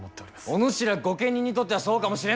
おぬしら御家人にとってはそうかもしれない。